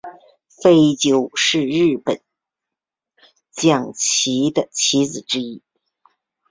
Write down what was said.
飞鹫是日本将棋的棋子之一。